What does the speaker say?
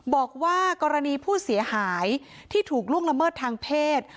บอกว่ากรณีผู้เสียหายที่ถูกล่วงละเมิดทางเพศ